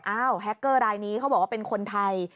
แฮคเกอร์รายนี้เขาบอกว่าเป็นคนไทย